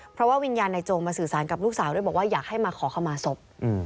เพราะว่าวิญญาณในโจงมาสื่อสารกับลูกสาวด้วยบอกว่าอยากให้มาขอขมาศพ